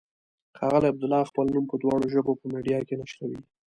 ښاغلی عبدالله خپل نوم په دواړو ژبو په میډیا کې نشروي.